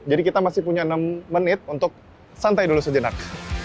jadi kita masih punya enam menit untuk santai dulu sejenak